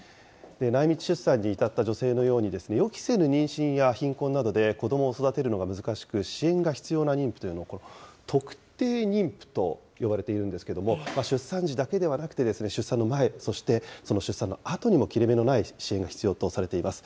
内密出産に至った女性のように、予期せぬ妊娠や貧困などで子どもを育てるのが難しく、支援が必要な妊婦というのは、特定妊婦と呼ばれているんですけれども、出産時だけではなくて、出産の前、そして、出産のあとにも切れ目のない支援が必要とされています。